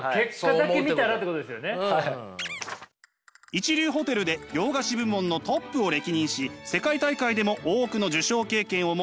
一流ホテルで洋菓子部門のトップを歴任し世界大会でも多くの受賞経験を持つ永純司さん。